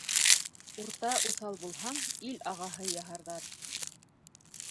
Урта уҫал булһаң, ил ағаһы яһарҙар.